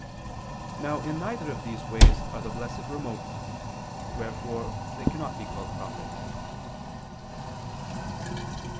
Now in neither of these ways are the blessed remote; wherefore they cannot be called prophets.